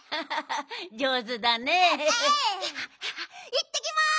いってきます！